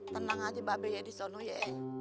tenang aja bapak bini disana ya